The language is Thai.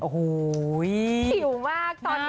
หิวมากตอนนี้